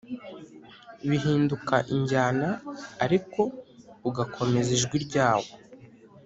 bihinduka injyana, ariko ugakomeza ijwi ryawo.